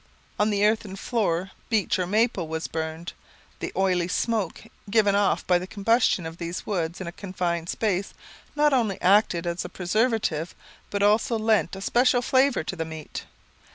On the earthen floor beech or maple was burned; the oily smoke, given off by the combustion of these woods in a confined space, not only acted as a preservative but also lent a special flavour to the meat.